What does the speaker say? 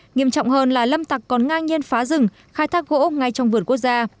nghiêm trọng hơn là lâm tặc còn ngang nhiên phá rừng khai thác gỗ ngay trong vườn quốc gia